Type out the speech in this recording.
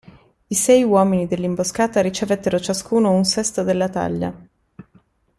I sei uomini dell'imboscata ricevettero ciascuno un sesto della taglia.